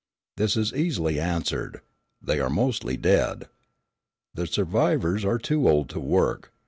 This is easily answered, they are mostly dead. The survivors are too old to work.